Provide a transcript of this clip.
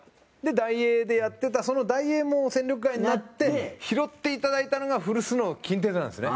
ダイエーでやってたそのダイエーも戦力外になって拾っていただいたのが古巣の近鉄なんですね。